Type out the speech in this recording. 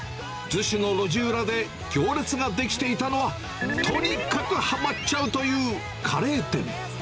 逗子の路地裏で、行列が出来ていたのは、とにかくはまっちゃうというカレー店。